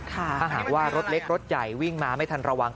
ถ้าหากว่ารถเล็กรถใหญ่วิ่งมาไม่ทันระวัง